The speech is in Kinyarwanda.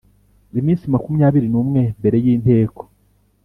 Iminsi makumyabiri n’ umwe mbere y’inteko